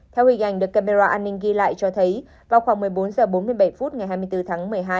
theo hình ảnh được camera an ninh ghi lại cho thấy vào khoảng một mươi bốn h bốn mươi bảy phút ngày hai mươi bốn tháng một mươi hai